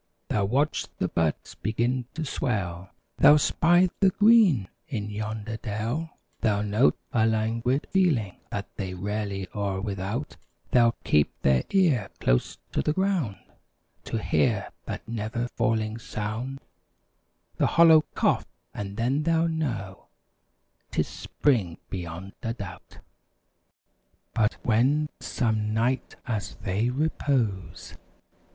They'll watch the buds begin to swell; They'll spy the green in yonder dell; They'll note a languid feeling (that They're rarely e'er without) They'll keep their ear close to the ground To hear that never failing sound (The hollow cough), and then they know 'Tis spring beyond a doubt. But when, some night, as they repose.